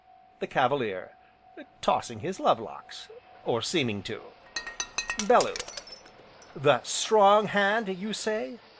THE CAVALIER: (Tossing his love locks, or seeming to)!!! BELLEW: The "strong hand," you say?